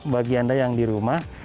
bagi anda yang di rumah